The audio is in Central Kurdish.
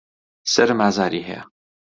سەرم ئازاری هەیە.